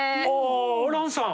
ランさん！